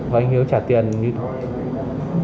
và anh hiếu trả tiền như thế nào